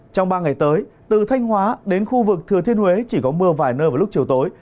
trong ba ngày tới từ thanh hóa đến khu vực thừa thiên huế chỉ có mưa vài nơi vào lúc chiều tối